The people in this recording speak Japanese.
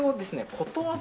ことわざ？